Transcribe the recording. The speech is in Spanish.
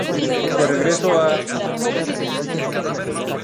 De regreso a St.